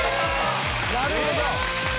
なるほど！